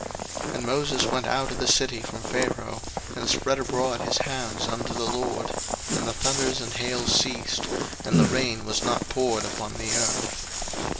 02:009:033 And Moses went out of the city from Pharaoh, and spread abroad his hands unto the LORD: and the thunders and hail ceased, and the rain was not poured upon the earth.